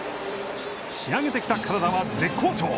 仕上げてきた体は絶好調。